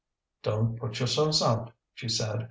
"Don't put yourselves out," she said.